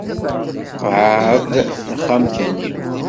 Qɛed taxxamt-nni.